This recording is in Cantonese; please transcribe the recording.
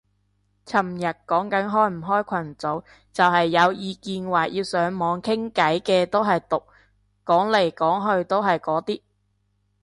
尋日講緊開唔開群組，就係有意見話要上網傾偈嘅都係毒，講嚟講去都係嗰啲